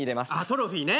トロフィーね。